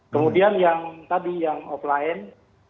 kemudian yang tadi yang offline